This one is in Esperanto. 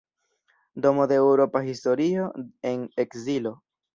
Domo de eŭropa historio en ekzilo.